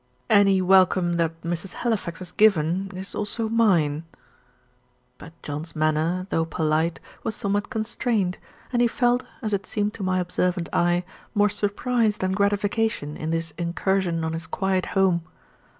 "Any welcome that Mrs. Halifax has given is also mine." But John's manner, though polite, was somewhat constrained; and he felt, as it seemed to my observant eye, more surprise than gratification in this incursion on his quiet home.